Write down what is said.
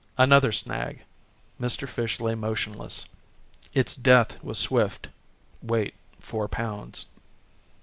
Another snag, Mr. Fish lay motionless, its death was swift, weight four pounds.